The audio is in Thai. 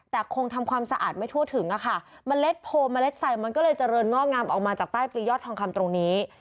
แต่คงทำความสะอาดไม่ทั่วถึงอะค่ะเมล็ดโพลเมล็ดใส่มันก็เลยเจริญงอกงามออกมาจากใต้ปรียอดทองคำตรงนี้